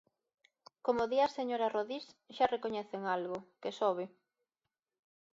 Como di a señora Rodís, xa recoñecen algo: que sobe.